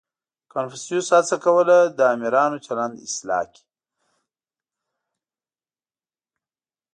• کنفوسیوس هڅه کوله، د آمرانو چلند اصلاح کړي.